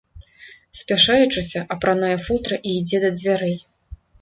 Спяшаючыся, апранае футра і ідзе да дзвярэй.